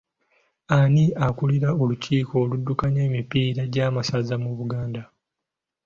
Ani akulira olukiiko oluddukanya emipiira gya masaza mu Buganda?